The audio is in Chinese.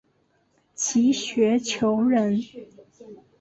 齐学裘人。